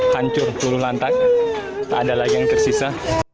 hancur dulu lantai ada lagi yang tersisa